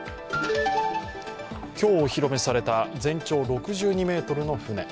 今日、お披露目された全長６２ｍの船。